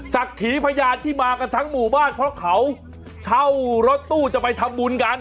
ขีพยานที่มากันทั้งหมู่บ้านเพราะเขาเช่ารถตู้จะไปทำบุญกัน